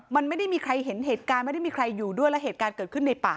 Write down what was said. มันไม่ได้มีใครเห็นเหตุการณ์ไม่ได้มีใครอยู่ด้วยแล้วเหตุการณ์เกิดขึ้นในป่า